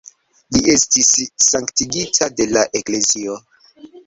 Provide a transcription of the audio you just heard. Li estis sanktigita de la eklezio.